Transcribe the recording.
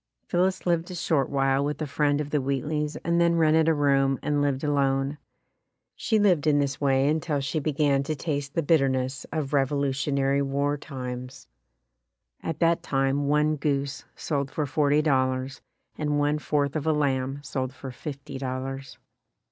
Phillis lived a short while with a friend of the Wheatleys and then rented a room and lived 174* ] UNSUNG HEROES alone. She lived in this way until she began to taste the bitterness of Revolutionary War times. At that time one goose sold for forty dollars and one fourth of a lamb sold for fifty dollars.